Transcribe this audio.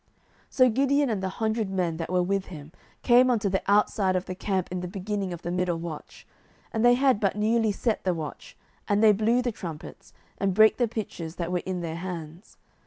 07:007:019 So Gideon, and the hundred men that were with him, came unto the outside of the camp in the beginning of the middle watch; and they had but newly set the watch: and they blew the trumpets, and brake the pitchers that were in their hands.